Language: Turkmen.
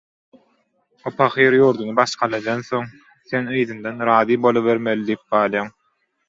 O pahyr ýurduny başgaladan soň, sen yzyndan «Razy bolaweri» diýip galýaň.